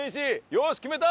よし決めた！